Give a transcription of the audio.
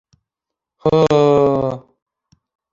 — Һо-о!